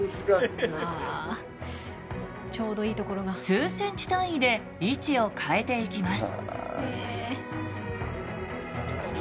数センチ単位で位置を変えていきます。